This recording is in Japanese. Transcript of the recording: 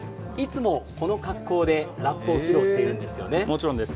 いつもこの格好でラップを披露しているんですよね。